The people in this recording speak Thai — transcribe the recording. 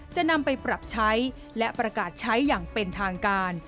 จะนำไปปรับใช้และประกาศใช้อย่างเป็นทางการ